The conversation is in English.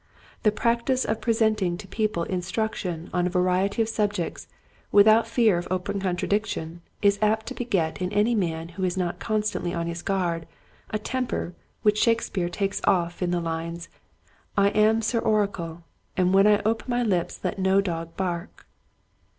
The practice of pre senting to people instruction on a variety of subjects without fear of open contra diction is apt to beget in any man who is not constantly on his guard a temper which Shakespeare takes off in the lines,. " I am Sir Oracle, And when I ope my lips Let no dog bark."